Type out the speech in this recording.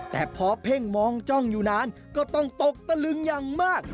แต่พอเพ่งมองจ้องอยู่นานก็ต้องตกตะลึงอย่างมาก